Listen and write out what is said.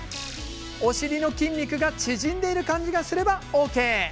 お尻の筋肉が縮んでいる感じがすればＯＫ。